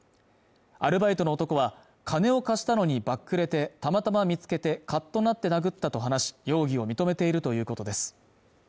アルバイトの男は金を貸したのにバックレてたまたま見つけてカッとなって殴ったと話し容疑を認めているということです